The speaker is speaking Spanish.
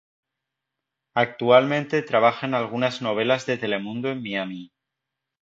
Actualmente trabaja en algunas novelas de Telemundo en Miami.